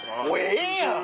ええやん！